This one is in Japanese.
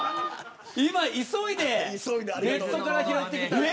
今、急いでネットから拾ってきた。